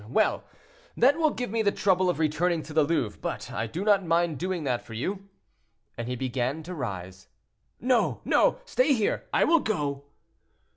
Well! that will give me the trouble of returning to the Louvre, but I do not mind doing that for you," and he began to rise. "No, no; stay here, I will go."